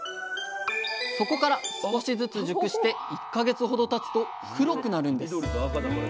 そこから少しずつ熟して１か月ほどたつと黒くなるんです。